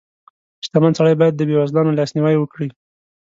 • شتمن سړی باید د بېوزلو لاسنیوی وکړي.